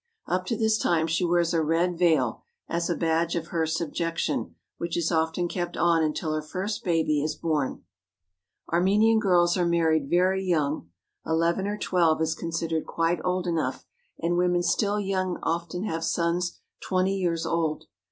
Up to this time she wears a red veil, as a badge of her subjection, which is often kept on until her first baby is born. Armenian girls are married very young. Eleven or 277 THE HOLY LAND AND SYRIA twelve is considered quite old enough, and women still young often have sons twenty years old.